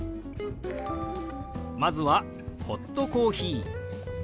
まずは「ホットコーヒー」。